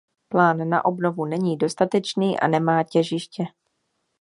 Plán na obnovu není dostatečný a nemá těžiště.